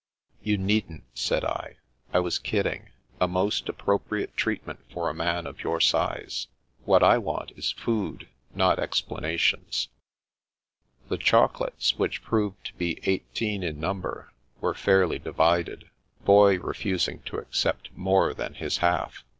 " You needn't," said I. " I was * kidding '—a most appropriate treatment for a man of your size. What I want is food, not explanations." The chocolates, which proved to be eighteen in number, were fairly divided. Boy refusing to accept more than his half.